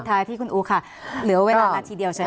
ปิดท้ายที่คุณอู๋ค่ะเหลือเวลานาทีเดียวฉันค่ะ